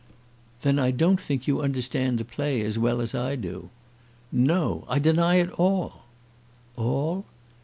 "Then I don't think you understand the play as well as I do." "No! I deny it all." "All?"